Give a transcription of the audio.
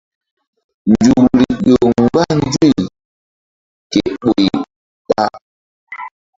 Nzukri ƴo mgba nzuy ke ɓoy ɓa.